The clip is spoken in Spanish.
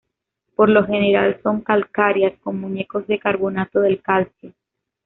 Por lo general son calcáreas, con muñecos de carbonato de calcio.